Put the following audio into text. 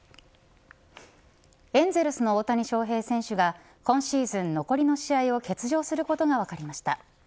エンゼルスの大谷翔平選手が今シーズン残りの試合を欠場することが分かりました。